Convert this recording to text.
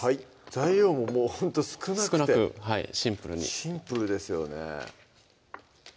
材料ももうほんと少なくて少なくシンプルにシンプルですよね